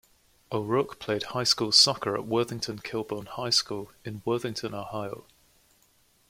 O'Rourke played high school soccer at Worthington Kilbourne High School in Worthington, Ohio.